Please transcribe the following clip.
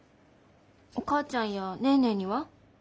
お母ちゃんやネーネーには？